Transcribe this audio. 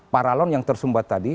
para lon yang tersumbat tadi